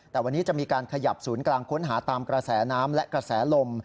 แต่วันนี้จะมีการขยับศูนย์กลางค้นหาตามกระแสน้ำและกระแสลม